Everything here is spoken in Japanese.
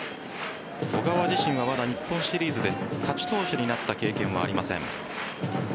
小川自身はまだ日本シリーズで勝ち投手になった経験はありません。